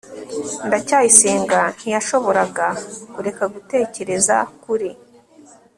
ndacyayisenga ntiyashoboraga kureka gutekereza kuri